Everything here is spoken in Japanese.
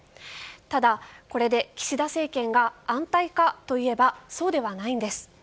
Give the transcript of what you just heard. ただ、これで岸田政権が安泰かといえばそうではないんです。